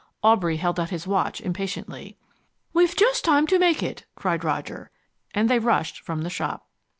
Aubrey held out his watch impatiently. "We've just time to make it," cried Roger, and they rushed from the shop.